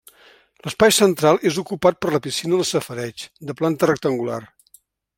L'espai central és ocupat per la piscina del safareig, de planta rectangular.